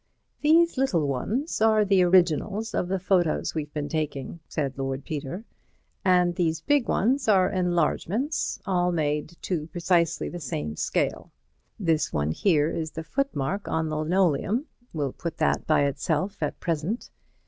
"These little ones are the originals of the photos we've been taking," said Lord Peter, "and these big ones are enlargements all made to precisely the same scale. This one here is the footmark on the linoleum; we'll put that by itself at present.